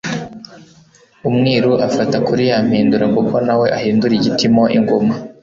Umwiru afata kuri ya mpindura kuko nawe ahindura igiti mo ingoma.